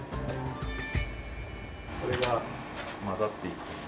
これが混ざっていくんで。